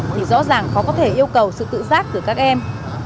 thì rõ ràng khó có thể yêu cầu sự tự giác từ các em